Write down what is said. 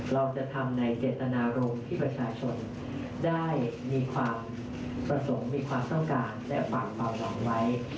เราจะทำในเจตนารมณ์ที่ประชาชนได้มีความประสงค์มีความต้องการและฝากความหวังไว้